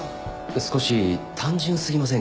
少し単純過ぎませんかね？